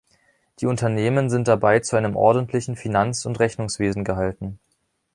Die Unternehmen sind dabei zu einem ordentlichen Finanz- und Rechnungswesen gehalten.